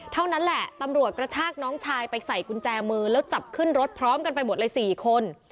เท่านั้นแหละตำรวจกระชากน้องชายไปใส่กุญแจมือแล้วจับขึ้นรถพร้อมกันไปหมดเลย๔คน